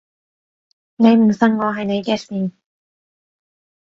你唔信我係你嘅事